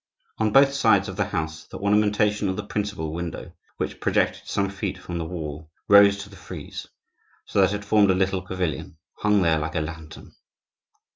On both sides of the house the ornamentation of the principal window, which projected some feet from the wall, rose to the frieze; so that it formed a little pavilion, hung there like a lantern.